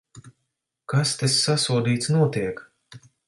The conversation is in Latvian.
Kas te, sasodīts, notiek?